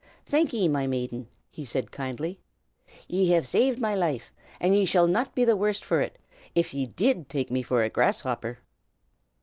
"Thank ye, my maiden!" he said kindly. "Ye have saved my life, and ye shall not be the worse for it, if ye did take me for a grasshopper."